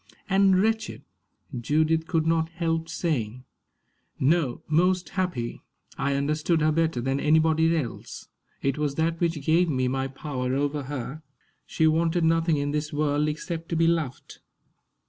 "And wretched!" Judith could not help saying. "No most happy. I understood her better than anybody else. It was that which gave me my power over her. She wanted nothing in this world except to be loved."